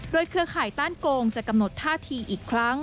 โดยเครือข่ายต้านโกงจะกำหนดท่าทีอีกครั้ง